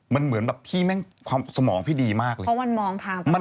มันเหมือนแบบพี่แม่งความสมองพี่ดีมากเลยเพราะมันมองทางไป